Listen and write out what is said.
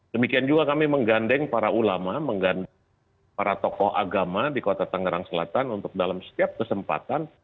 demikian juga kami menggandeng para ulama menggandeng para tokoh agama di kota tangerang selatan untuk dalam setiap kesempatan